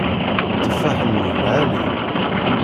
Tteffaḥ-nni lɛali.